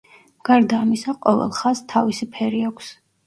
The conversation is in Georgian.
გარდა ამისა, ყოველ ხაზს თავისი ფერი აქვს.